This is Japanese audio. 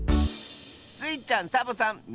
スイちゃんサボさん